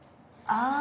ああ！